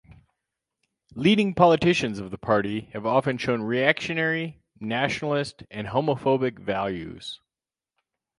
Leading politicians of the party have often shown reactionary, nationalist, and homophobic values.